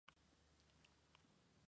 El acceso es totalmente libre.